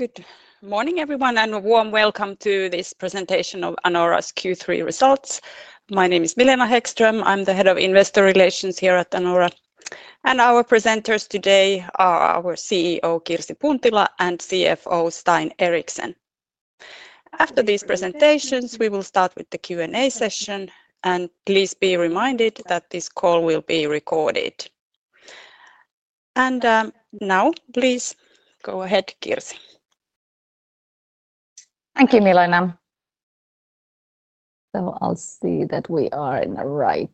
Good morning, everyone, and a warm welcome to this presentation of Anora's Q3 Results. My name is Milena Hæggström. I'm the Head of Investor Relations here at Anora. Our presenters today are our CEO, Kirsi Puntila, and CFO, Stein Eriksen. After these presentations, we will start with the Q and A session. Please be reminded that this call will be recorded. Now, please go ahead, Kirsi. Thank you, Milena. I'll see that we are in the right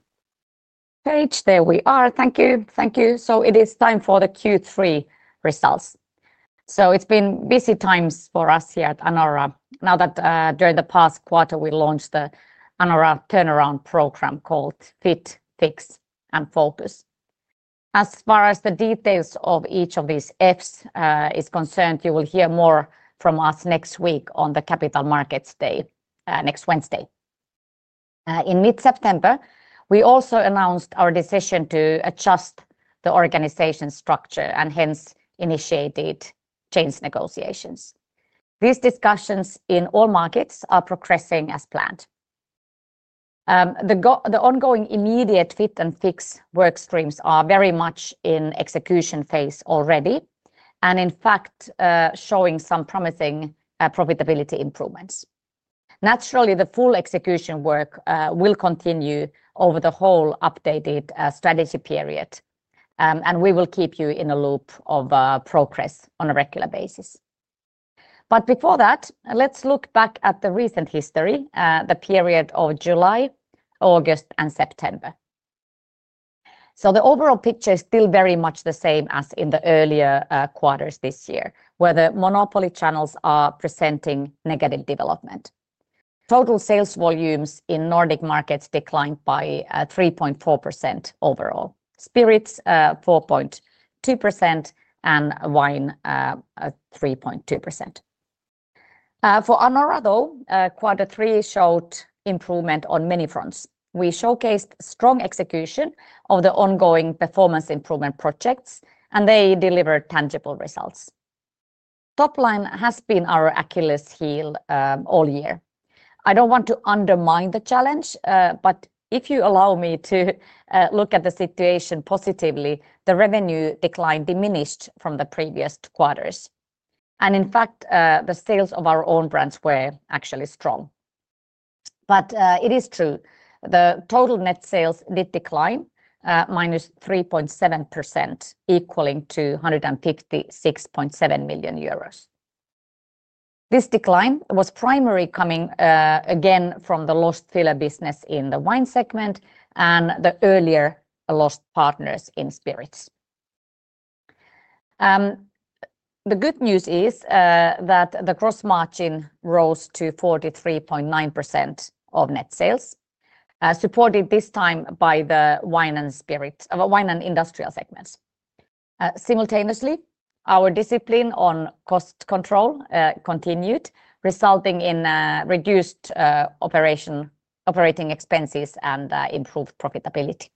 page. There we are. Thank you. Thank you. It is time for the Q3 Results. It's been busy times for us here at Anora now that during the past quarter we launched the Anora turnaround program called Fit & Fix and Focus. As far as the details of each of these Fs are concerned, you will hear more from us next week on the Capital Markets Day next Wednesday. In mid-September, we also announced our decision to adjust the organization structure and hence initiated change negotiations. These discussions in all markets are progressing as planned. The ongoing immediate Fit & Fix work streams are very much in execution phase already and, in fact, showing some promising profitability improvements. Naturally, the full execution work will continue over the whole updated strategy period. We will keep you in the loop of progress on a regular basis. Before that, let's look back at the recent history, the period of July, August, and September. The overall picture is still very much the same as in the earlier quarters this year, where the monopoly channels are presenting negative development. Total sales volumes in Nordic markets declined by 3.4% overall, Spirits 4.2%, and Wine 3.2%. For Anora, though, quarter three showed improvement on many fronts. We showcased strong execution of the ongoing performance improvement projects, and they delivered tangible results. Top line has been our Achilles heel all year. I don't want to undermine the challenge, but if you allow me to look at the situation positively, the revenue decline diminished from the previous quarters. In fact, the sales of our own brands were actually strong. It is true, the total net sales did decline, -3.7%, equaling to 156.7 million euros. This decline was primarily coming again from the lost filler business in the Wine segment and the earlier lost partners in Spirits. The good news is that the gross margin rose to 43.9% of net sales, supported this time by the Wine and Industrial segments. Simultaneously, our discipline on cost control continued, resulting in reduced operating expenses and improved profitability.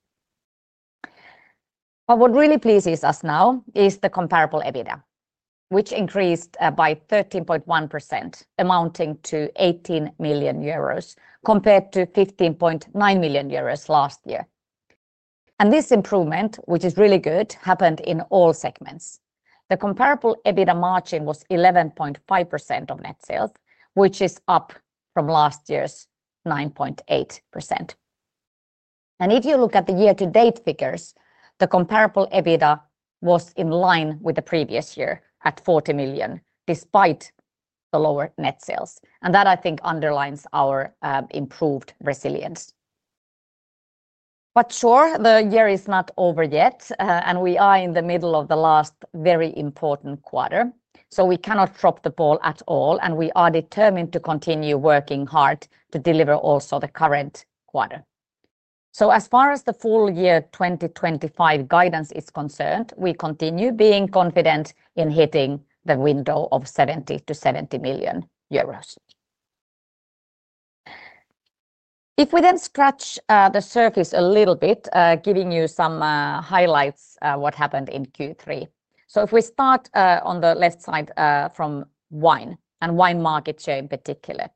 What really pleases us now is the comparable EBITDA, which increased by 13.1%, amounting to 18 million euros compared to 15.9 million euros last year. This improvement, which is really good, happened in all segments. The comparable EBITDA margin was 11.5% of net sales, which is up from last year's 9.8%. If you look at the year-to-date figures, the comparable EBITDA was in line with the previous year at 40 million, despite the lower net sales. I think that underlines our improved resilience. The year is not over yet, and we are in the middle of the last very important quarter. We cannot drop the ball at all, and we are determined to continue working hard to deliver also the current quarter. As far as the full year 2025 guidance is concerned, we continue being confident in hitting the window of 70 million euros to EUR 77 million. If we scratch the surface a little bit, giving you some highlights of what happened in Q3. If we start on the left side from Wine and Wine market share in particular,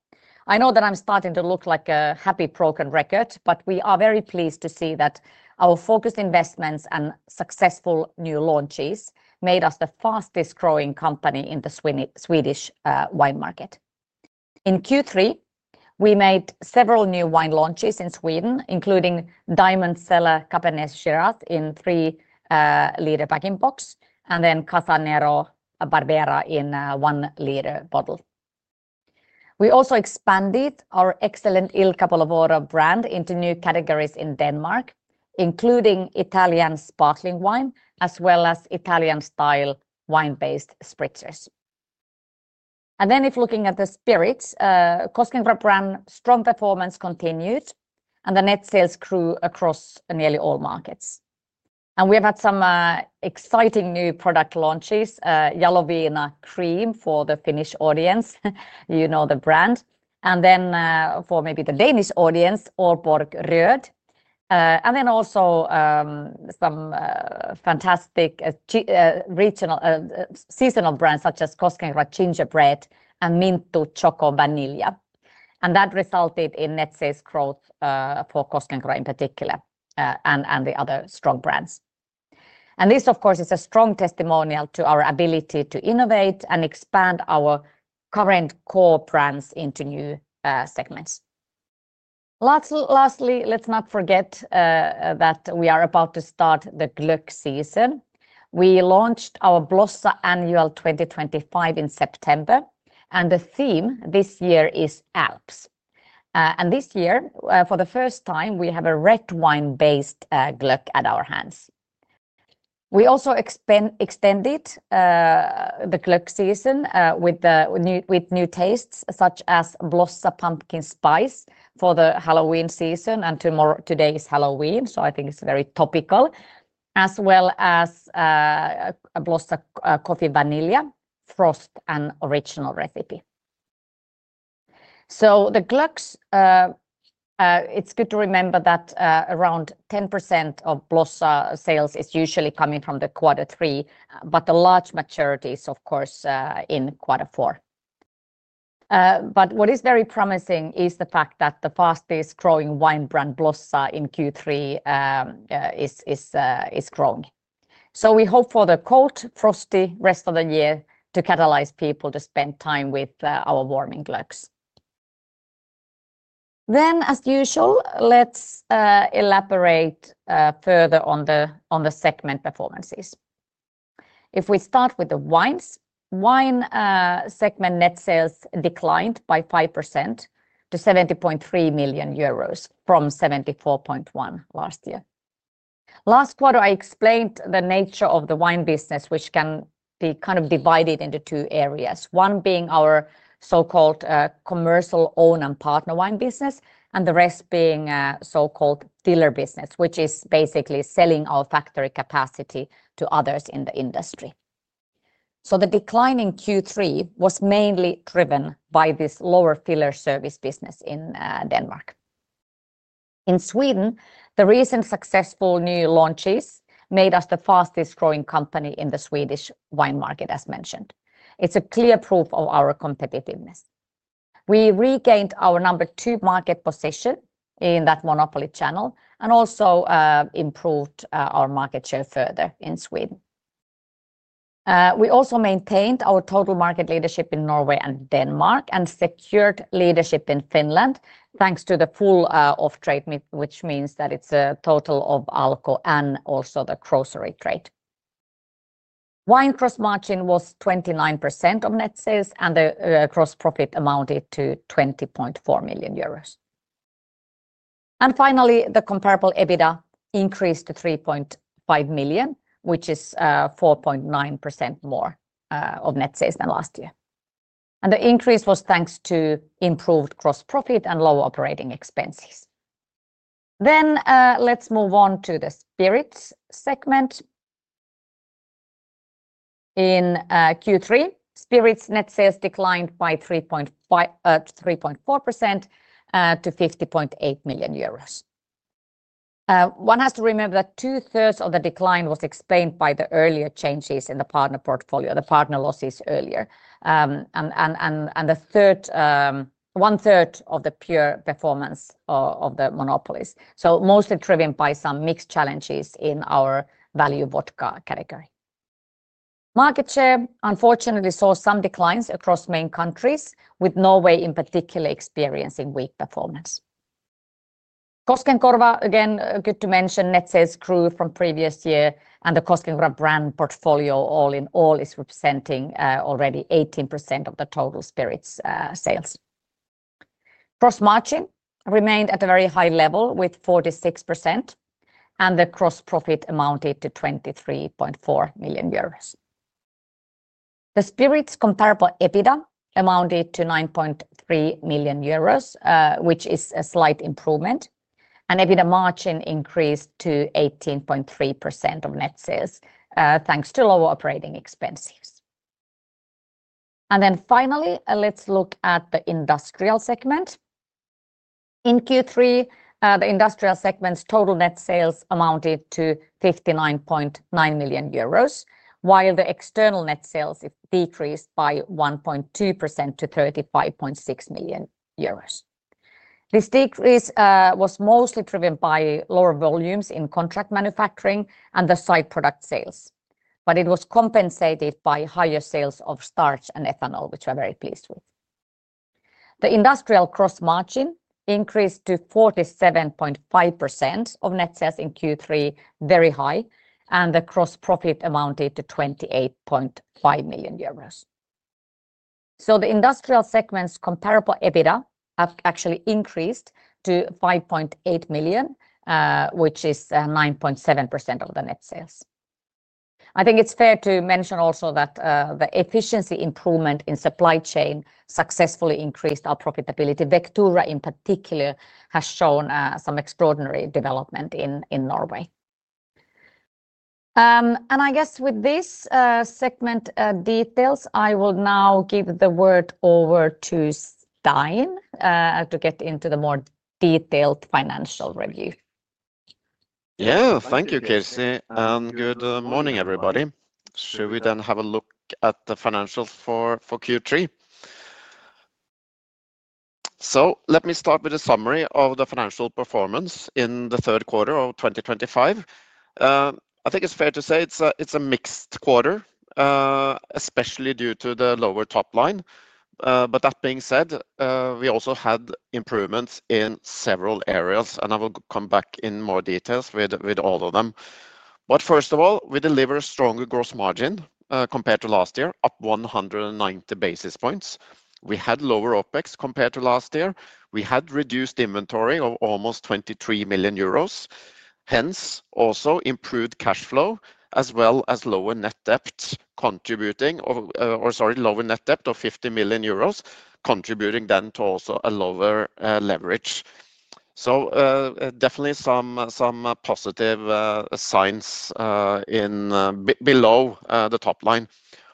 I know that I'm starting to look like a happy broken record, but we are very pleased to see that our focused investments and successful new launches made us the fastest growing company in the Swedish Wine market. In Q3, we made several new Wine launches in Sweden, including Diamond Cellar Cabernet Shiraz in three-liter packing boxes, and then Casa Nero Barbera in one-liter bottle. We also expanded our excellent Il Capolavoro brand into new categories in Denmark, including Italian sparkling Wine as well as Italian-style Wine-based spritzes. If looking at the Spirits, Koskenkorva's strong performance continued, and the net sales grew across nearly all markets. We have had some exciting new product launches, Jaloviina Cream for the Finnish audience, you know the brand, and then for maybe the Danish audience, Aalborg ROD. Also, some fantastic seasonal brands such as Koskenkorva Gingerbread and Minttu Choco Vanilla. That resulted in net sales growth for Koskenkorva in particular and the other strong brands. This, of course, is a strong testimonial to our ability to innovate and expand our current core brands into new segments. Lastly, let's not forget that we are about to start the Glögg season. We launched our Blossa Annual 2025 in September, and the theme this year is Alps. This year, for the first time, we have a red wine-based Glögg at our hands. We also extended the Glögg season with new tastes such as Blossa Pumpkin Spice for the Halloween season, and tomorrow, today's Halloween, so I think it's very topical, as well as Blossa Coffee Vanilla, Frost, and Original Recipe. So the Glögg. It's good to remember that around 10% of Blossa sales is usually coming from the quarter three, but the large majority is, of course, in quarter four. What is very promising is the fact that the fastest growing wine brand Blossa in Q3 is growing. We hope for the cold, frosty rest of the year to catalyze people to spend time with our warming Glöggs. As usual, let's elaborate further on the segment performances. If we start with the Wines segment, net sales declined by 5% to 70.3 million euros from 74.1 million last year. Last quarter, I explained the nature of the wine business, which can be kind of divided into two areas, one being our so-called commercial own and partner Wine business, and the rest being so-called filler business, which is basically selling our factory capacity to others in the industry. The decline in Q3 was mainly driven by this lower filler service business in Denmark. In Sweden, the recent successful new launches made us the fastest growing company in the Swedish Wine market, as mentioned. It's a clear proof of our competitiveness. We regained our number two market position in that monopoly channel and also improved our market share further in Sweden. We also maintained our total market leadership in Norway and Denmark and secured leadership in Finland thanks to the full off-trade, which means that it's a total of Alko and also the grocery trade. Wine gross margin was 29% of net sales, and the gross profit amounted to 20.4 million euros. Finally, the comparable EBITDA increased to 3.5 million, which is 4.9% more of net sales than last year. The increase was thanks to improved gross profit and lower operating expenses. Let's move on to the Spirits segment. In Q3, Spirits net sales declined by 3.4% to 50.8 million euros. One has to remember that two-thirds of the decline was explained by the earlier changes in the partner portfolio, the partner losses earlier. One-third of the pure performance of the monopolies, so mostly driven by some mixed challenges in our value vodka category. Market share, unfortunately, saw some declines across main countries, with Norway in particular experiencing weak performance. Koskenkorva, again, good to mention, net sales grew from previous year, and the Koskenkorva Bränn portfolio, all in all, is representing already 18% of the total Spirits sales. Gross margin remained at a very high level with 46%, and the gross profit amounted to 23.4 million euros. The Spirits comparable EBITDA amounted to 9.3 million euros, which is a slight improvement. EBITDA margin increased to 18.3% of net sales thanks to lower operating expenses. Finally, let's look at the Industrial segment. In Q3, the Industrial segment's total net sales amounted to 59.9 million euros, while the external net sales decreased by 1.2% to 35.6 million euros. This decrease was mostly driven by lower volumes in contract manufacturing and the side product sales, but it was compensated by higher sales of starch and ethanol, which we are very pleased with. The Industrial gross margin increased to 47.5% of net sales in Q3, very high, and the gross profit amounted to 28.5 million euros. The Industrial segment's comparable EBITDA has actually increased to 5.8 million, which is 9.7% of the net sales. I think it's fair to mention also that the efficiency improvement in supply chain successfully increased our profitability. Vectura in particular has shown some extraordinary development in Norway. With these segment details, I will now give the word over to Stein to get into the more detailed financial review. Yeah, thank you, Kirsi. Good morning, everybody. Shall we then have a look at the financials for Q3? Let me start with a summary of the financial performance in the third quarter of 2025. I think it's fair to say it's a mixed quarter, especially due to the lower top line. That being said, we also had improvements in several areas, and I will come back in more details with all of them. First of all, we deliver a stronger gross margin compared to last year, up 190 basis points. We had lower OPEX compared to last year. We had reduced inventory of almost 23 million euros, hence also improved cash flow, as well as lower net debt of 50 million euros, contributing then to also a lower leverage. Definitely some positive signs below the top line.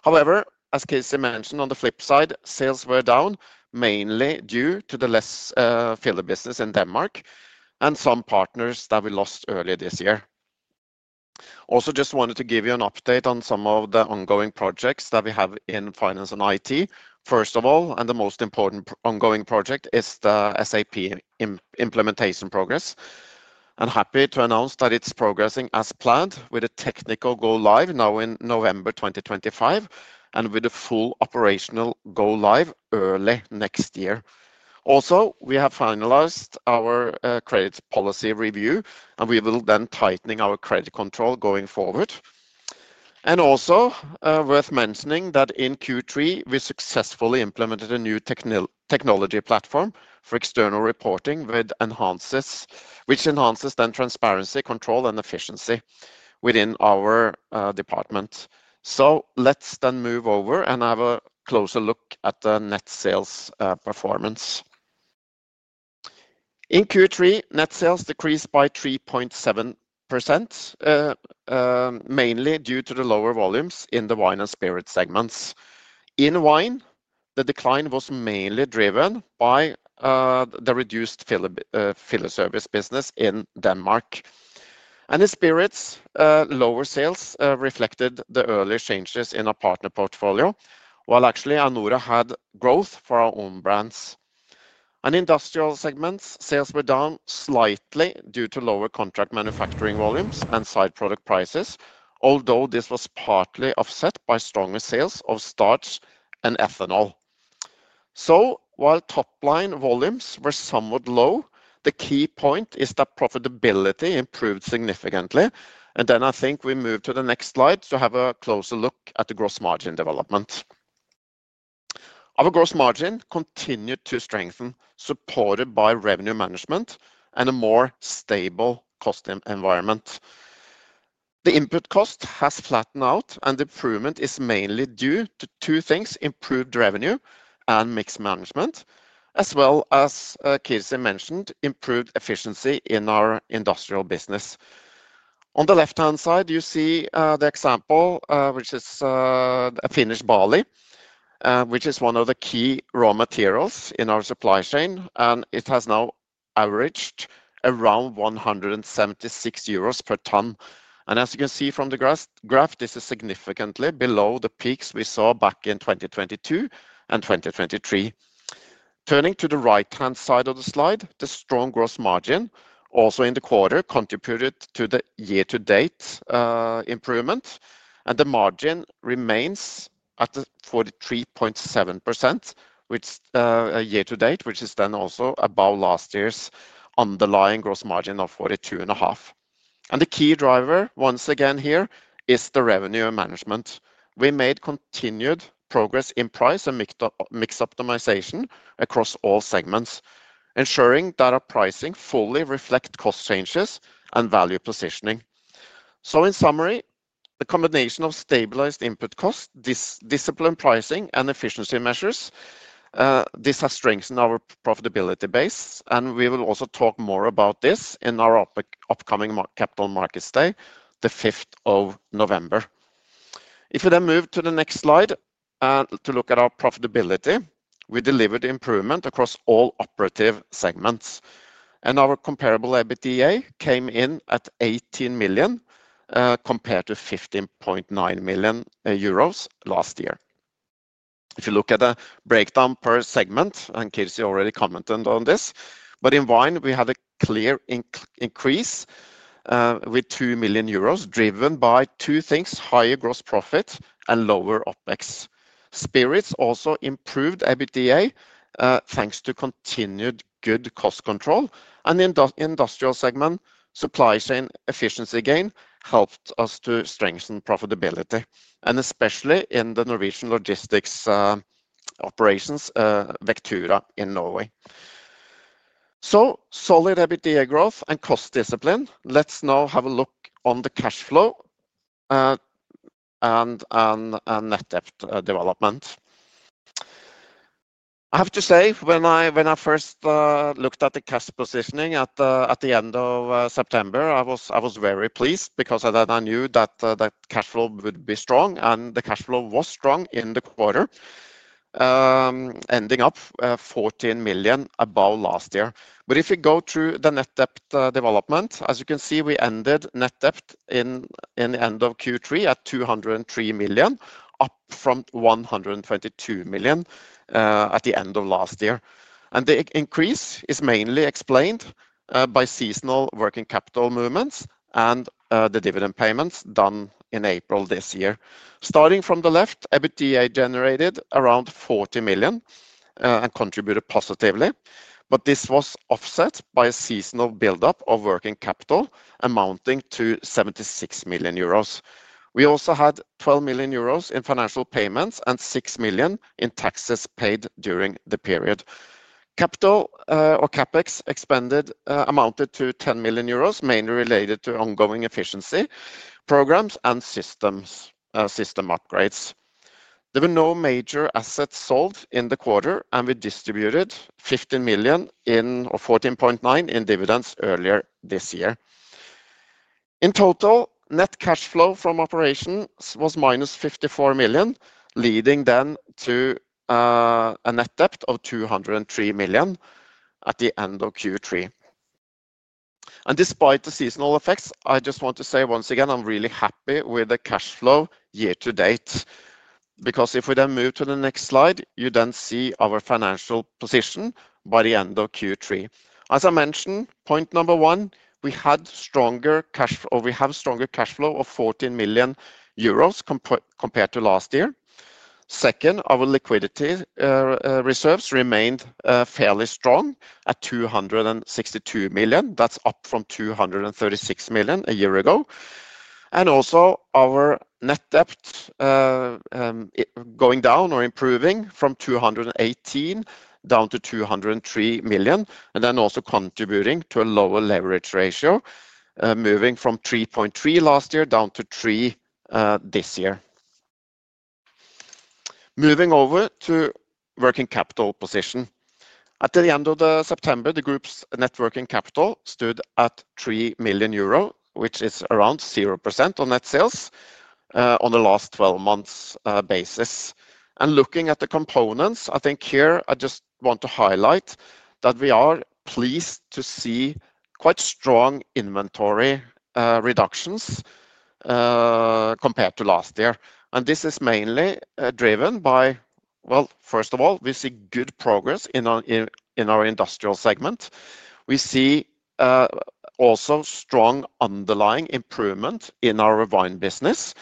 However, as Kirsi mentioned, on the flip side, sales were down mainly due to the less filler business in Denmark and some partners that we lost earlier this year. Also just wanted to give you an update on some of the ongoing projects that we have in finance and IT. First of all, and the most important ongoing project is the SAP implementation progress. I'm happy to announce that it's progressing as planned with a technical go-live now in November 2025 and with a full operational go-live early next year. Also, we have finalized our credit policy review, and we will then tighten our credit control going forward. It is also worth mentioning that in Q3, we successfully implemented a new technology platform for external reporting, which enhances transparency, control, and efficiency within our department. Let's then move over and have a closer look at the net sales performance. In Q3, net sales decreased by 3.7%, mainly due to the lower volumes in the Wine and Spirits segments. In Wine, the decline was mainly driven by the reduced filler service business in Denmark. In Spirits, lower sales reflected the early changes in our partner portfolio, while actually Anora had growth for our own brands. In Industrial segments, sales were down slightly due to lower contract manufacturing volumes and side product prices, although this was partly offset by stronger sales of starch and ethanol. While top line volumes were somewhat low, the key point is that profitability improved significantly. I think we move to the next slide to have a closer look at the gross margin development. Our gross margin continued to strengthen, supported by revenue management and a more stable cost environment. The input cost has flattened out, and the improvement is mainly due to two things: improved revenue and mix management, as well as, Kirsi mentioned, improved efficiency in our Industrial business. On the left-hand side, you see the example, which is a Finnish barley, which is one of the key raw materials in our supply chain, and it has now averaged around 176 euros per ton. As you can see from the graph, this is significantly below the peaks we saw back in 2022 and 2023. Turning to the right-hand side of the slide, the strong gross margin, also in the quarter, contributed to the year-to-date improvement, and the margin remains at 43.7% year-to-date, which is also above last year's underlying gross margin of 42.5%. The key driver once again here is the revenue and management. We made continued progress in price and mix optimization across all segments, ensuring that our pricing fully reflects cost changes and value positioning. In summary, the combination of stabilized input cost, disciplined pricing, and efficiency measures has strengthened our profitability base, and we will also talk more about this in our upcoming Capital Markets Day, the 5th of November. If we then move to the next slide to look at our profitability, we delivered improvement across all operative segments, and our comparable EBITDA came in at 18 million, compared to 15.9 million euros last year. If you look at the breakdown per segment, and Kirsi already commented on this, but in Wine, we had a clear increase with 2 million euros, driven by two things: higher gross profit and lower OPEX. Spirits also improved EBITDA thanks to continued good cost control, and the Industrial segment supply chain efficiency gain helped us to strengthen profitability, especially in the Norwegian logistics operations, Vectura in Norway. Solid EBITDA growth and cost discipline, let's now have a look at the cash flow and net debt development. I have to say, when I first looked at the cash positioning at the end of September, I was very pleased because I knew that cash flow would be strong, and the cash flow was strong in the quarter, ending up 14 million above last year. If you go to the net debt development, as you can see, we ended net debt at the end of Q3 at 203 million, up from 122 million at the end of last year. The increase is mainly explained by seasonal working capital movements and the dividend payments done in April this year. Starting from the left, EBITDA generated around 40 million and contributed positively, but this was offset by a seasonal buildup of working capital amounting to 76 million euros. We also had 12 million euros in financial payments and 6 million in taxes paid during the period. Capex amounted to 10 million euros, mainly related to ongoing efficiency programs and system upgrades. There were no major assets sold in the quarter, and we distributed 15 million, or 14.9 million, in dividends earlier this year. In total, net cash flow from operations was -54 million, leading to a net debt of 203 million at the end of Q3. Despite the seasonal effects, I just want to say once again, I'm really happy with the cash flow year-to-date. If we then move to the next slide, you see our financial position by the end of Q3. As I mentioned, point number one, we had stronger cash flow, or we have stronger cash flow of 14 million euros compared to last year. Second, our liquidity reserves remained fairly strong at 262 million, up from 236 million a year ago. Also, our net debt. Going down or improving from 218 million down to 203 million, and then also contributing to a lower leverage ratio, moving from 3.3 last year down to three this year. Moving over to working capital position, at the end of September, the group's net working capital stood at 3 million euro, which is around 0% on net sales on the last 12 months basis. Looking at the components, I think here I just want to highlight that we are pleased to see quite strong inventory reductions compared to last year. This is mainly driven by, first of all, we see good progress in our Industrial segment. We see also strong underlying improvement in our Wine business.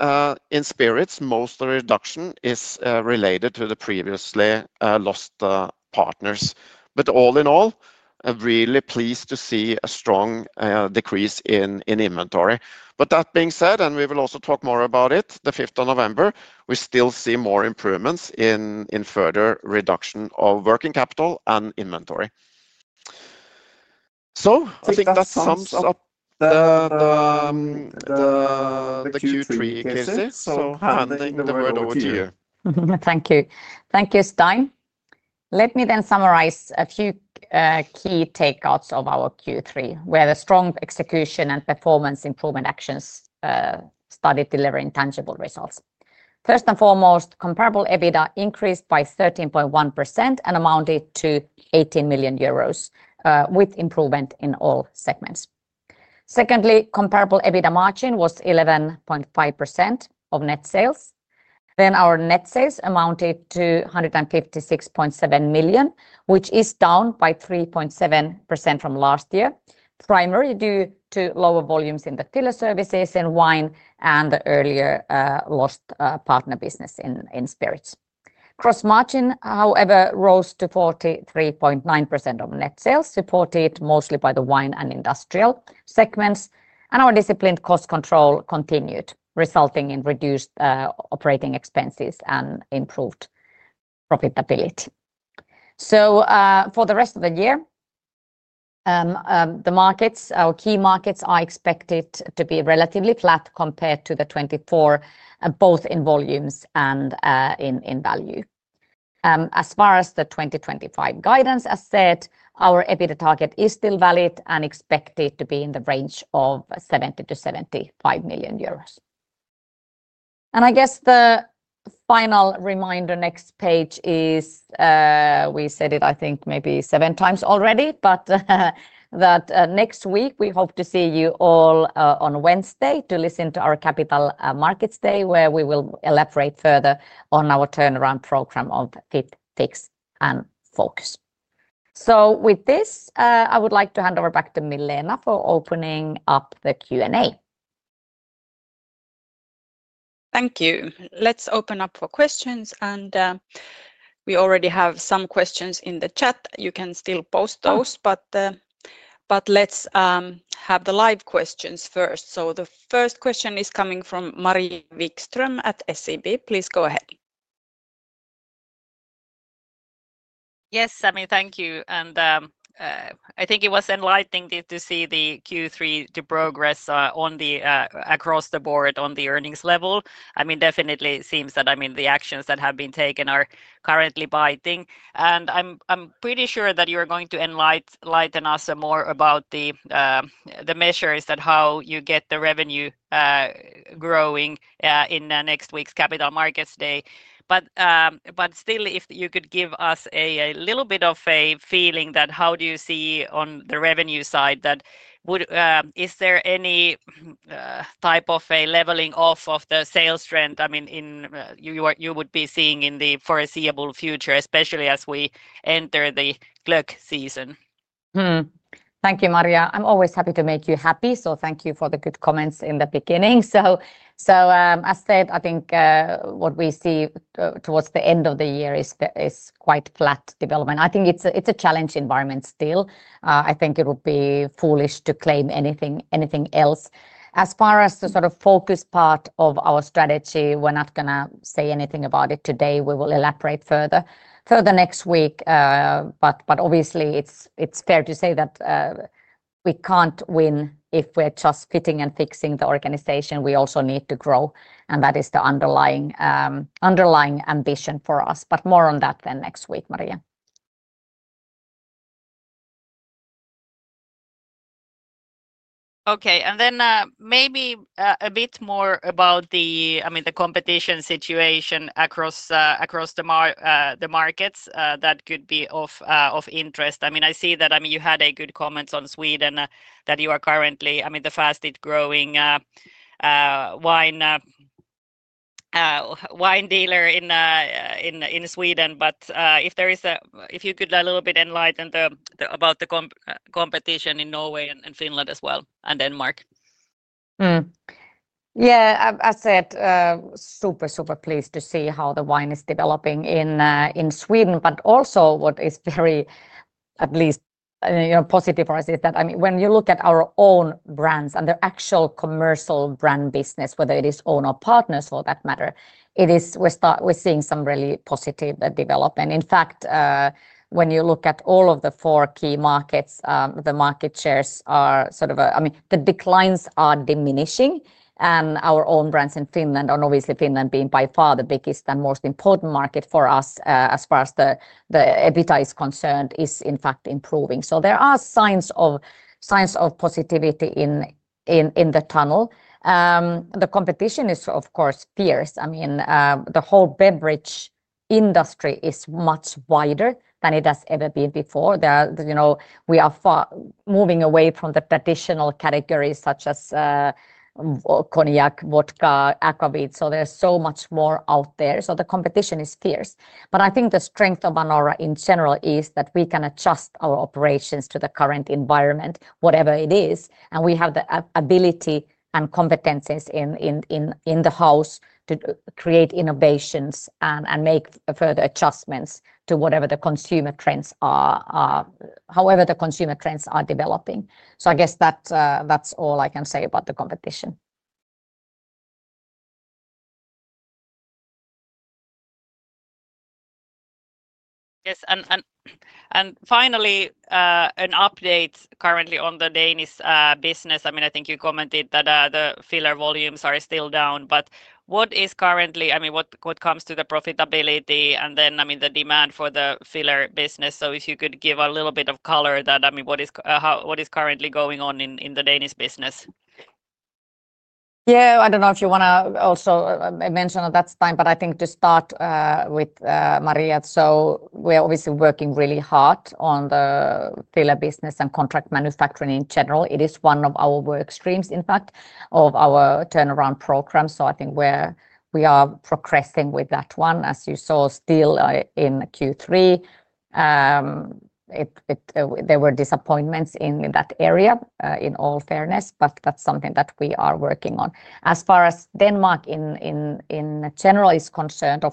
In Spirits, most of the reduction is related to the previously lost partners. All in all, I'm really pleased to see a strong decrease in inventory. That being said, and we will also talk more about it the 5th of November, we still see more improvements in further reduction of working capital and inventory. I think that sums up the Q3, Kirsi. Handing the word over to you. Thank you. Thank you, Stein. Let me then summarize a few key takeouts of our Q3, where the strong execution and performance improvement actions started delivering tangible results. First and foremost, comparable EBITDA increased by 13.1% and amounted to 18 million euros with improvement in all segments. Secondly, comparable EBITDA margin was 11.5% of net sales. Our net sales amounted to 156.7 million, which is down by 3.7% from last year, primarily due to lower volumes in the filler services and Wine and the earlier lost partner business in Spirits. Gross margin, however, rose to 43.9% of net sales, supported mostly by the Wine and Industrial segments, and our disciplined cost control continued, resulting in reduced operating expenses and improved profitability. For the rest of the year, the markets, our key markets, are expected to be relatively flat compared to 2024, both in volumes and in value. As far as the 2025 guidance is set, our EBITDA target is still valid and expected to be in the range of 70 million to 75 million euros. The final reminder next page is, we said it, I think maybe seven times already, that next week we hope to see you all on Wednesday to listen to our Capital Markets Day, where we will elaborate further on our turnaround program of Fit & Fix and Focus. With this, I would like to hand over back to Milena for opening up the Q and A. Thank you. Let's open up for questions. We already have some questions in the chat. You can still post those, but let's have the live questions first. The first question is coming from Maria Wikstrom at SEB. Please go ahead. Yes, thank you. I think it was enlightening to see the Q3 progress across the board on the earnings level. It seems that the actions that have been taken are currently biting. I'm pretty sure that you're going to enlighten us more about the measures, how you get the revenue growing in next week's Capital Markets Day. If you could give us a little bit of a feeling, how do you see on the revenue side, is there any type of a leveling off of the sales trend you would be seeing in the foreseeable future, especially as we enter the Glögg season? Thank you, Maria. I'm always happy to make you happy, so thank you for the good comments in the beginning. As said, I think what we see towards the end of the year is quite flat development. I think it's a challenging environment still. I think it would be foolish to claim anything else. As far as the sort of focus part of our strategy, we're not going to say anything about it today. We will elaborate further next week. Obviously, it's fair to say that we can't win if we're just fitting and fixing the organization. We also need to grow, and that is the underlying ambition for us. More on that next week, Maria. Okay, and then maybe a bit more about the competition situation across the markets that could be of interest. I see that you had a good comment on Sweden that you are currently the fastest growing Wine dealer in Sweden. If you could a little bit enlighten about the competition in Norway and Finland as well and Denmark. As said, super pleased to see how the Wine is developing in Sweden. Also, what is very positive for us is that when you look at our own brands and the actual commercial brand business, whether it is own or partners for that matter, we're seeing some really positive development. In fact, when you look at all of the four key markets, the market shares are, the declines are diminishing, and our own brands in Finland, and obviously Finland being by far the biggest and most important market for us as far as the EBITDA is concerned, is in fact improving. There are signs of positivity in the tunnel. The competition is, of course, fierce. I mean, the whole beverage industry is much wider than it has ever been before. We are moving away from the traditional categories such as cognac, vodka, aquavit. There is so much more out there. The competition is fierce. I think the strength of Anora in general is that we can adjust our operations to the current environment, whatever it is, and we have the ability and competencies in the house to create innovations and make further adjustments to whatever the consumer trends are, however the consumer trends are developing. I guess that's all I can say about the competition. Finally, an update currently on the Danish business. I think you commented that the filler volumes are still down, but what is currently, I mean, what comes to the profitability and then, I mean, the demand for the filler business? If you could give a little bit of color, what is currently going on in the Danish business? I don't know if you want to also mention at that time, but I think to start with, we are obviously working really hard on the filler business and contract manufacturing in general. It is one of our work streams, in fact, of our turnaround program. I think we are progressing with that one, as you saw still in Q3. There were disappointments in that area, in all fairness, but that's something that we are working on. As far as Denmark in general is concerned,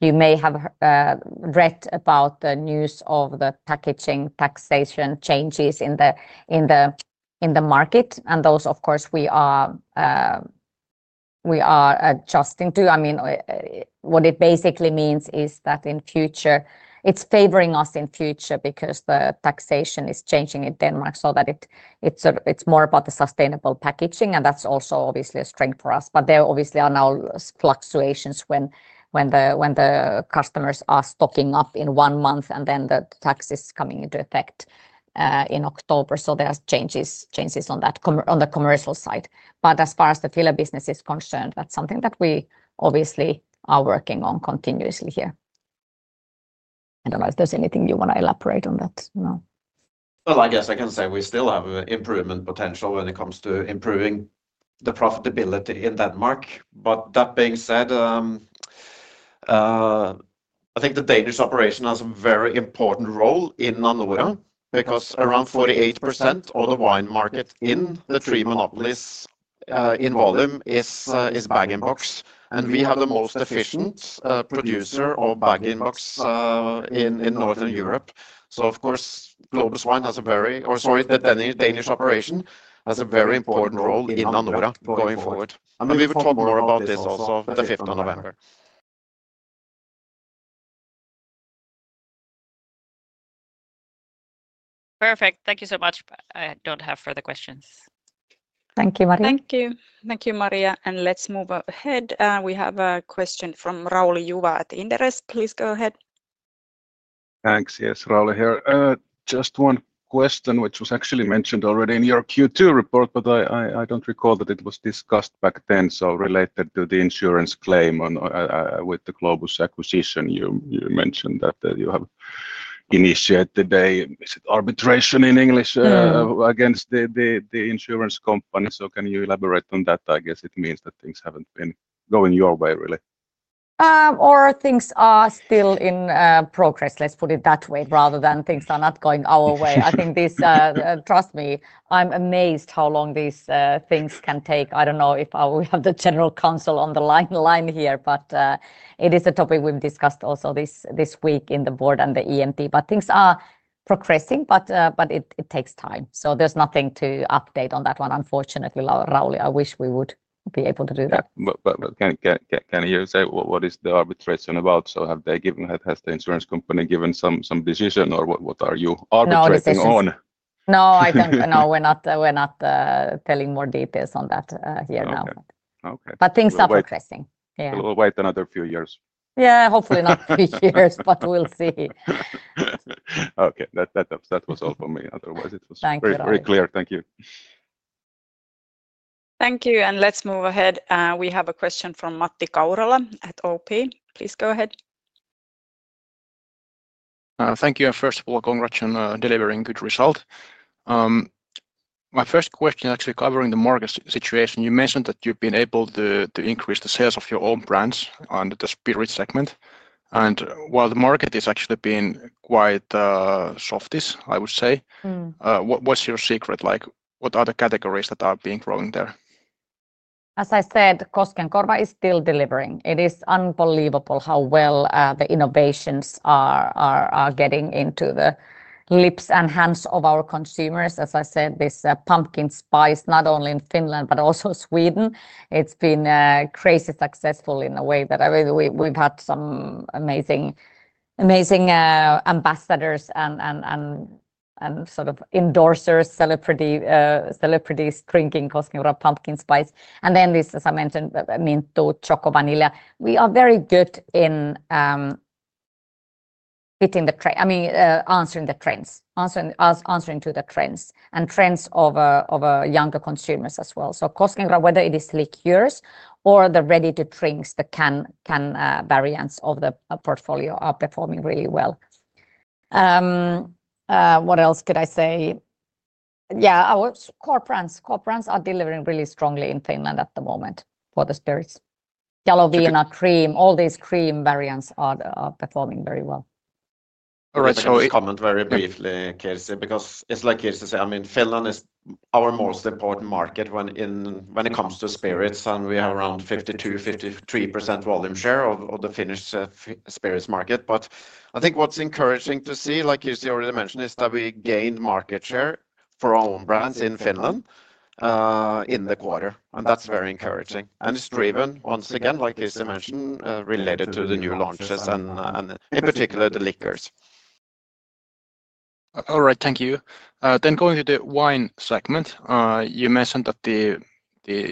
you may have read about the news of the packaging taxation changes in the market, and those, of course, we are adjusting to. What it basically means is that in future, it's favoring us in future because the taxation is changing in Denmark so that it's more about the sustainable packaging, and that's also obviously a strength for us. There obviously are now fluctuations when the customers are stocking up in one month and then the tax is coming into effect in October. There are changes on the commercial side. As far as the filler business is concerned, that's something that we obviously are working on continuously here. I don't know if there's anything you want to elaborate on that. I guess I can say we still have improvement potential when it comes to improving the profitability in Denmark. That being said. I think the Danish operation has a very important role in Anora because around 48% of the Wine market in the three monopolies in volume is bag-in-box, and we have the most efficient producer of bag-in-box in Northern Europe. Of course, Globus Wine has a very, or sorry, the Danish operation has a very important role in Anora going forward. I mean, we will talk more about this also on the 5th of November. Perfect. Thank you so much. I don't have further questions. Thank you, Maria. Thank you. Thank you, Maria. Let's move ahead. We have a question from Rauli Juva at Inderes. Please go ahead. Thanks. Yes, Rauli here. Just one question, which was actually mentioned already in your Q2 report, but I don't recall that it was discussed back then. Related to the insurance claim with the Globus Wine acquisition, you mentioned that you have initiated the arbitration in English against the insurance company. Can you elaborate on that? I guess it means that things haven't been going your way, really. Or things are still in progress, let's put it that way, rather than things are not going our way. Trust me, I'm amazed how long these things can take. I don't know if we have the General Counsel on the line here, but it is a topic we've discussed also this week in the Board and the ENT. Things are progressing, but it takes time. There's nothing to update on that one, unfortunately, Rauli. I wish we would be able to do that. Can you say what is the arbitration about? Have they given, has the insurance company given some decision or what are you arbitrating on? No, I don't know. We're not telling more details on that here now. Things are progressing. We'll wait another few years. Yeah, hopefully not three years, but we'll see. Okay, that was all for me. Otherwise, it was very clear. Thank you. Thank you. Let's move ahead. We have a question from Matti Kaurola at OP. Please go ahead. Thank you. First of all, congrats on delivering good results. My first question is actually covering the market situation. You mentioned that you've been able to increase the sales of your own brands under the Spirits segment, and while the market is actually being quite soft, I would say. What's your secret? What are the categories that are being growing there? As I said, Koskenkorva is still delivering. It is unbelievable how well the innovations are getting into the lips and hands of our consumers. As I said, this pumpkin spice, not only in Finland but also Sweden, it's been crazy successful in a way that we've had some amazing ambassadors and sort of endorsers, celebrities drinking Koskenkorva pumpkin spice. This, as I mentioned, mint, oat, choco, vanilla. We are very good in fitting the trend, I mean, answering the trends, answering to the trends and trends of younger consumers as well. Koskenkorva, whether it is liqueurs or the ready-to-drink, the can variants of the portfolio are performing really well. What else could I say? Our core brands are delivering really strongly in Finland at the moment for the Spirits. Jaloviina Cream, all these cream variants are performing very well. All right, so comment very briefly, Kirsi, because it's like Kirsi said, Finland is our most important market when it comes to Spirits, and we have around 52%-53% volume share of the Finnish Spirits market. I think what's encouraging to see, like Kirsi already mentioned, is that we gained market share for our own brands in Finland in the quarter. That's very encouraging, and it's driven, once again, like Kirsi mentioned, related to the new launches and in particular the liqueurs. All right, thank you. Then going to the Wine segment, you mentioned that the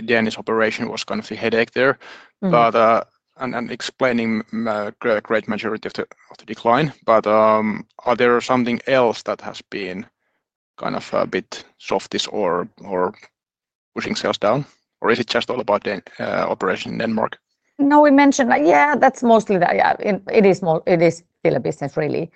Danish operation was kind of a headache there, and explaining a great majority of the decline. Are there something else that has been kind of a bit soft or pushing sales down? Is it just all about the operation in Denmark? No, we mentioned, that's mostly that. It is still a business, really.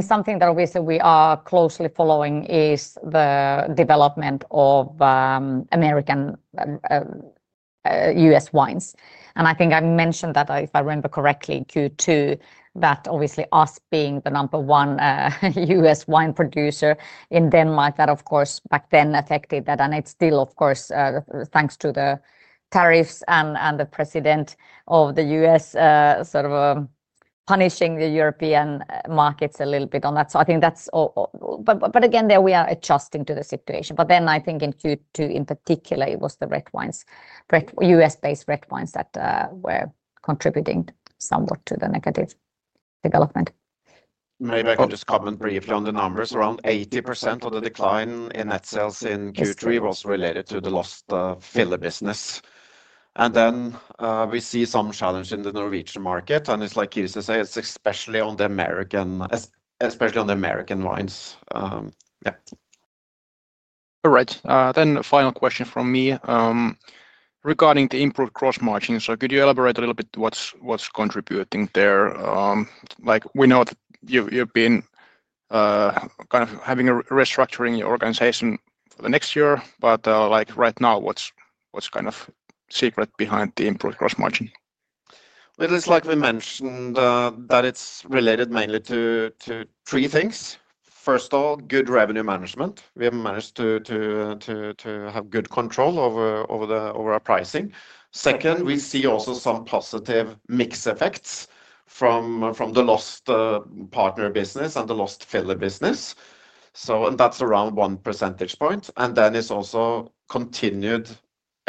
Something that obviously we are closely following is the development of American, U.S. wines. I think I mentioned that, if I remember correctly, Q2, that obviously us being the number one U.S. wine producer in Denmark, that of course back then affected that. It's still, of course, thanks to the tariffs and the president of the U.S. sort of punishing the European markets a little bit on that. I think that's, but again, there we are adjusting to the situation. I think in Q2 in particular, it was the red wines, U.S.-based red wines that were contributing somewhat to the negative development. Maybe I can just comment briefly on the numbers. Around 80% of the decline in net sales in Q3 was related to the lost filler business. We see some challenge in the Norwegian market. It's like Kirsi said, it's especially on the American wines. All right. Final question from me. Regarding the improved gross margin, could you elaborate a little bit on what's contributing there? We know that you've been kind of having a restructuring of your organization for the next year. Right now, what's the secret behind the improved gross margin? It's like we mentioned, it's related mainly to three things. First of all, good revenue management. We have managed to have good control over our pricing. Second, we see also some positive mix effects from the lost partner business and the lost filler business, and that's around 1 percentage point. It's also continued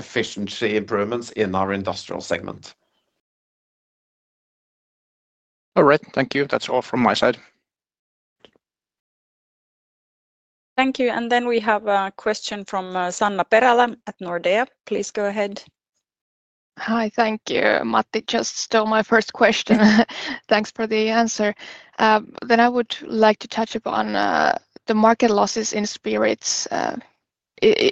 efficiency improvements in our Industrial segment. Thank you. That's all from my side. Thank you. We have a question from Sanna Perälä at Nordea. Please go ahead. Hi, thank you, Matti just stole my first question. Thanks for the answer. I would like to touch upon the market losses in Spirits.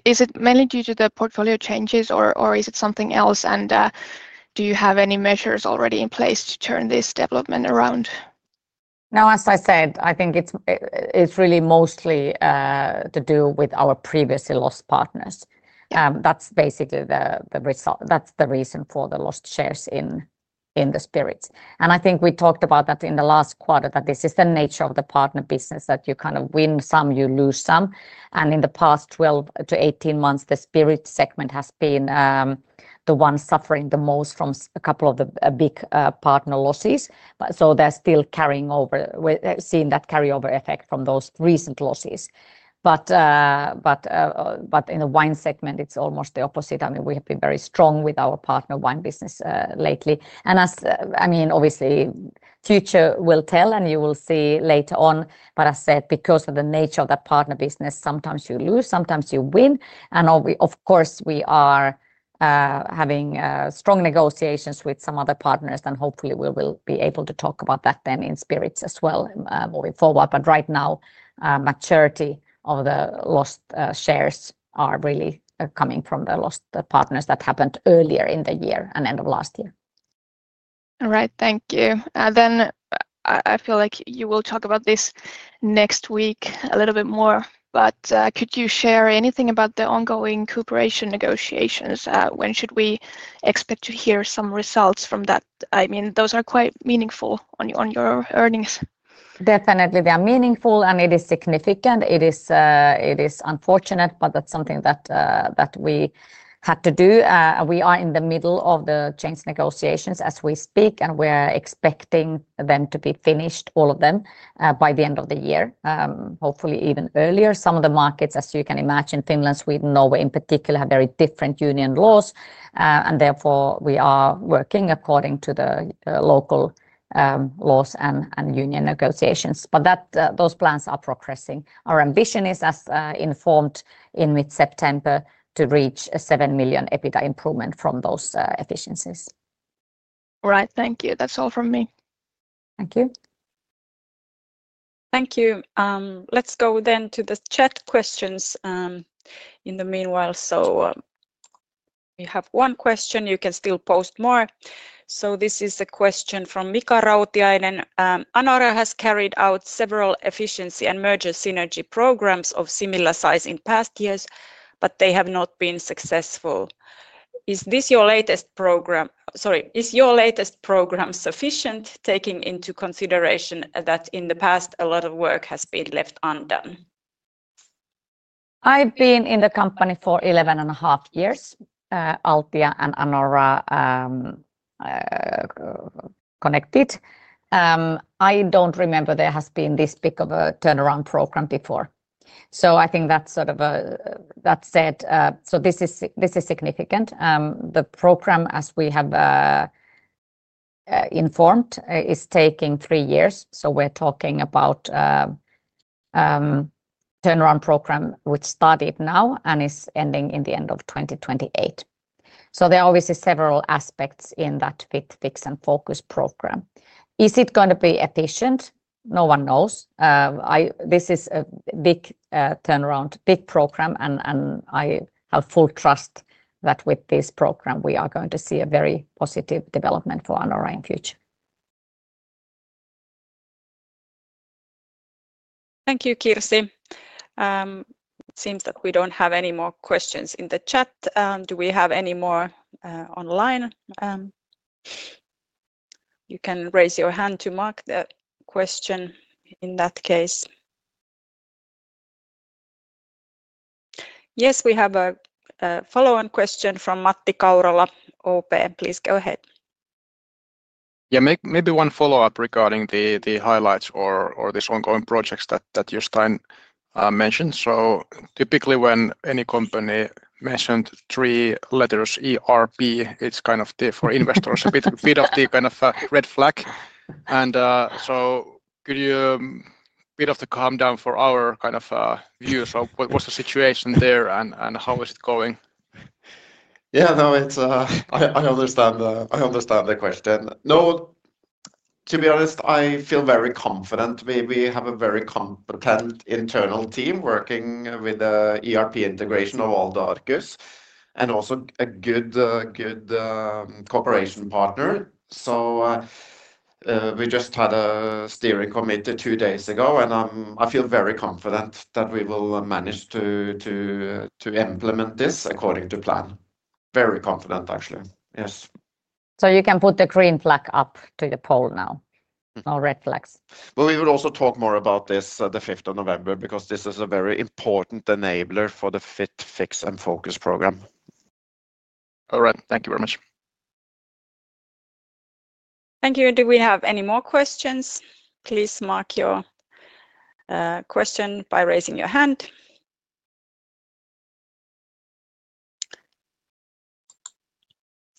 Is it mainly due to the portfolio changes, or is it something else? Do you have any measures already in place to turn this development around? No, as I said, I think it's really mostly to do with our previously lost partners. That's basically the reason for the lost shares in the Spirits. I think we talked about that in the last quarter, that this is the nature of the partner business, that you win some, you lose some. In the past 12 months to 18 months, the Spirits segment has been the one suffering the most from a couple of the big partner losses. They're still carrying over, seeing that carryover effect from those recent losses. In the Wine segment, it's almost the opposite. We have been very strong with our partner Wine business lately. Obviously, future will tell, and you will see later on. As I said, because of the nature of that partner business, sometimes you lose, sometimes you win. Of course, we are having strong negotiations with some other partners, and hopefully, we will be able to talk about that in Spirits as well moving forward. Right now, the majority of the lost shares are really coming from the lost partners that happened earlier in the year and end of last year. All right, thank you. I feel like you will talk about this next week a little bit more, but could you share anything about the ongoing cooperation negotiations? When should we expect to hear some results from that? I mean, those are quite meaningful on your earnings. Definitely. They are meaningful, and it is significant. It is unfortunate, but that's something that we had to do. We are in the middle of the change negotiations as we speak, and we're expecting them to be finished, all of them, by the end of the year, hopefully even earlier. Some of the markets, as you can imagine, Finland, Sweden, Norway in particular, have very different union laws. Therefore, we are working according to the local laws and union negotiations. Those plans are progressing. Our ambition is, as informed in mid-September, to reach a 7 million EBITDA improvement from those efficiencies. All right, thank you. That's all from me. Thank you. Thank you. Let's go then to the chat questions. In the meanwhile, we have one question. You can still post more. This is a question from Mika Rautiainen. Anora has carried out several efficiency and merger synergy programs of similar size in past years, but they have not been successful. Is your latest program sufficient, taking into consideration that in the past a lot of work has been left undone? I've been in the company for 11 and a half years. Altia and Anora connected. I don't remember there has been this big of a turnaround program before. I think that's sort of a, that said, this is significant. The program, as we have informed, is taking three years. We're talking about a turnaround program which started now and is ending in the end of 2028. There obviously are several aspects in that Fit & Fix and Focus program. Is it going to be efficient? No one knows. This is a big turnaround, big program, and I have full trust that with this program, we are going to see a very positive development for Anora in the future. Thank you, Kirsi. It seems that we don't have any more questions in the chat. Do we have any more online? You can raise your hand to mark the question in that case. Yes, we have a follow-on question from Matti Kaurola, OP. Please go ahead. Yeah, maybe one follow-up regarding the highlights or these ongoing projects that Stein mentioned. Typically when any company mentions three letters, ERP, it's kind of for investors a bit of the kind of red flag. Could you a bit calm down for our kind of view? What's the situation there and how is it going? Yeah, no, I understand the question. No. To be honest, I feel very confident. We have a very competent internal team working with the ERP integration of all the Arcus and also a good corporation partner. We just had a steering committee two days ago, and I feel very confident that we will manage to implement this according to plan. Very confident, actually. Yes. You can put the green flag up to the poll now. No red flags. We will also talk more about this the 5th of November because this is a very important enabler for the Fit & Fix and Focus program. All right. Thank you very much. Thank you. Do we have any more questions? Please mark your question by raising your hand.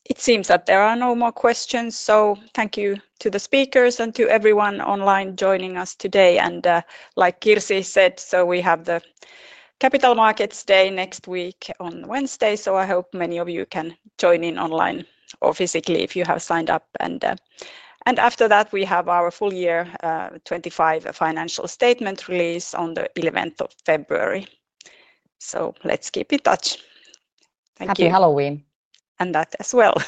It seems that there are no more questions. Thank you to the speakers and to everyone online joining us today. Like Kirsi said, we have the Capital Markets Day next week on Wednesday. I hope many of you can join in online or physically if you have signed up. After that, we have our Full Year 2025 Financial Statement Release on the 11th of February. Let's keep in touch. Thank you. Happy Halloween. Have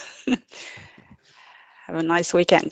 a nice weekend.